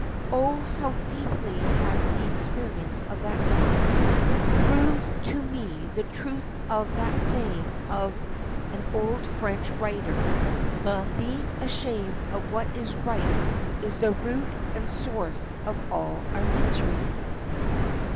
Oh how deeply has the experience of that time proved to me the truth of that saying of an old French writer, 'The being ashamed of what is right is the root and source of all our misery.